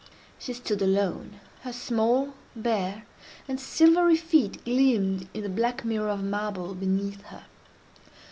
She stood alone. Her small, bare, and silvery feet gleamed in the black mirror of marble beneath her.